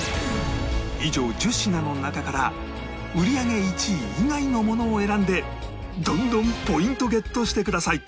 以上１０品の中から売り上げ１位以外のものを選んでどんどんポイントゲットしてください